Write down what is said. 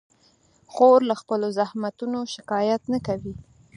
خور له خپلو زحمتونو شکایت نه کوي.